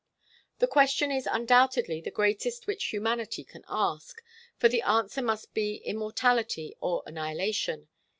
The question is undoubtedly the greatest which humanity can ask, for the answer must be immortality or annihilation.